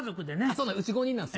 そうなんですうち５人なんです。